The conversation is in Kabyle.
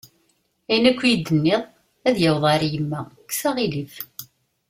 Ayen akk i iyi-d-tenniḍ ad yaweḍ ɣer yemma, kkes aɣilif.